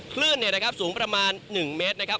คลื่นเนี่ยนะครับสูงประมาณหนึ่งเมตรนะครับ